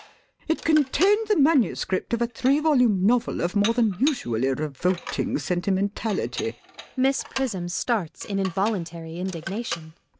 It contained the manuscript of a three volume novel of more than usually revolting sentimentality. [Miss Prism starts in involuntary indignation.